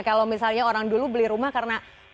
kalau misalnya orang dulu beli rumah karena butuh rumah